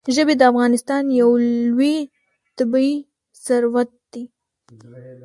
ژبې د افغانستان یو لوی طبعي ثروت دی.